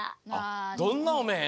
あっどんなおめん？